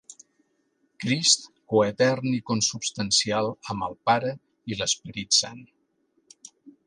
Crist, coetern i consubstancial amb el Pare i l'Esperit Sant.